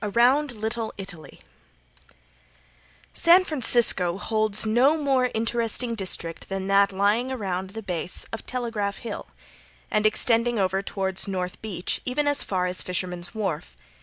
Around Little Italy San Francisco holds no more interesting district than that lying around the base of Telegraph Hill, and extending over toward North Beach, even as far as Fisherman's Wharf.